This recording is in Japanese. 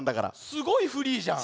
すごいフリーじゃん。